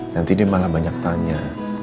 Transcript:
nanti dia malah banyak tanya